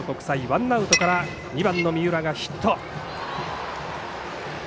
ワンアウトから２番の三浦がヒット。